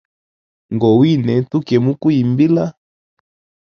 Ngowine tuke muku yimbila.